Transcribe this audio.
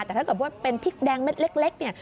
แต่ถ้าเกิดว่าเป็นพริกแดงเม็ดเล็กเนี่ย